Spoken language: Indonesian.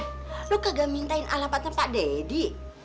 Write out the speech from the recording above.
eh yan lo kagak minta alamatnya pak deddy